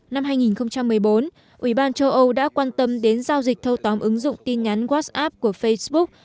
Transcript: năm hai nghìn một mươi bốn ủy ban châu âu đã quan tâm đến giao dịch thâu tóm ứng dụng tin nhắn whatsapp của facebook